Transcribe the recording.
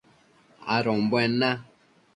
adombuen na